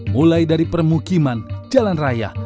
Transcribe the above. mulai dari permukiman jalan raya